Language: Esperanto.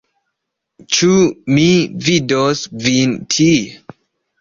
Ĉu mi vidos vin tie?